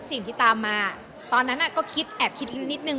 สิ่งที่ตามมาตอนนั้นก็คิดแอบคิดนิดนึง